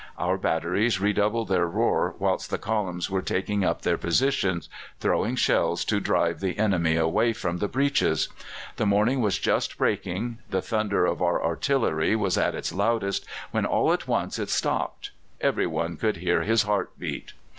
Our batteries redoubled their roar whilst the columns were taking up their positions, throwing shells to drive the enemy away from the breaches. The morning was just breaking; the thunder of our artillery was at its loudest, when all at once it stopped. Every one could hear his heart beat.